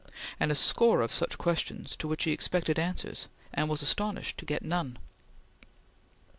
And a score of such questions to which he expected answers and was astonished to get none.